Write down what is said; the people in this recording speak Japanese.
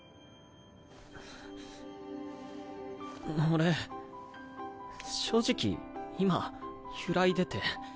俺正直今揺らいでて。